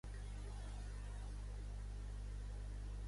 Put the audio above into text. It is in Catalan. També hi ha gens que determinen les marques blanques singulars.